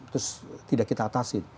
terus tidak kita atasi